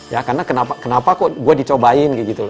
ya karena kenapa kok gue dicobain kayak gitu